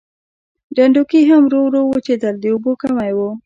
ډنډونکي هم ورو ورو وچېدل د اوبو کمی و.